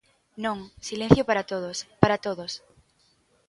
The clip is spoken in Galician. Non, silencio para todos, ¡para todos!